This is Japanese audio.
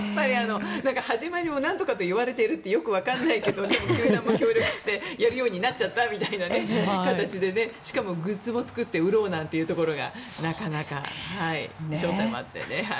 始まりもなんとかといわれているってなんだかよくわからないけど球団も協力してやるようになっちゃったみたいな形でしかも、グッズも作って売ろうなんていうところが商才もあって。